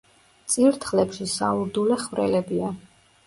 წირთხლებში საურდულე ხვრელებია.